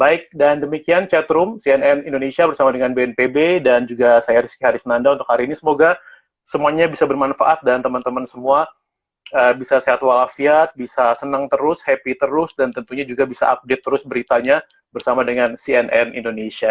baik dan demikian chatroom cnn indonesia bersama dengan bnpb dan juga saya rizky harisnanda untuk hari ini semoga semuanya bisa bermanfaat dan teman teman semua bisa sehat walafiat bisa senang terus happy terus dan tentunya juga bisa update terus beritanya bersama dengan cnn indonesia